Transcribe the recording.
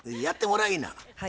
やってもらいいな。